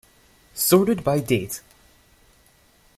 Sorted by date.